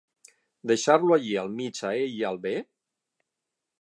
Deixar-lo allí al mig a ell i al bé?